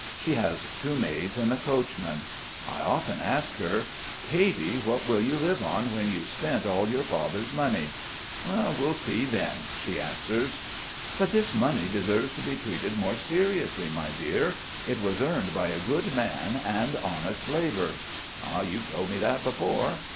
She has two maids and a coachman. I often ask her: "Katy, what will you live on when you've spent all your father's money?" "We'll see, then," she answers. "But this money deserves to be treated more seriously, my dear. It was earned by a good man and honest labour." "You've told me that before.